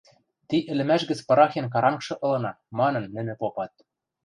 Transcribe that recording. – Ти ӹлӹмӓш гӹц пырахен карангшы ылына, – манын, нӹнӹ попат.